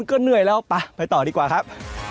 ก็เหนื่อยแล้วไปต่อดีกว่าครับ